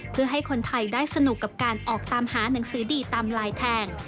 เพื่อให้คนไทยได้สนุกกับการออกตามหาหนังสือดีตามลายแทง